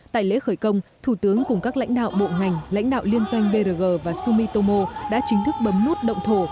tại lễ khởi công thủ tướng cùng các lãnh đạo bộ ngành lãnh đạo liên doanh brg và sumitomo đã chính thức bấm nút động thổ